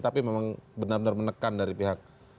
tapi memang benar benar menekan dari pihak